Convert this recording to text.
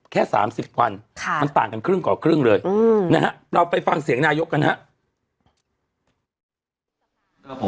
แค่๓๐วันมันต่างกันครึ่งกว่าครึ่งเลยนะฮะเราไปฟังเสียงนายกกันครับ